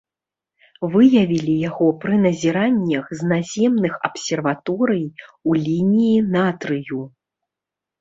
Выявілі яго пры назіраннях з наземных абсерваторый у лініі натрыю.